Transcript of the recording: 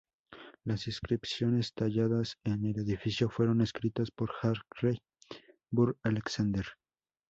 Las inscripciones talladas en el edificio fueron escritas por Hartley Burr Alexander.